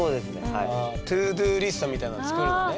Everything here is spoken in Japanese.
はい。ＴｏＤｏリストみたいなのを作るのね？